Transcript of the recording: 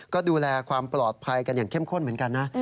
ก็ดูแลความปลอดภัยกันอย่างเข้มข้นเหมือนกันนะ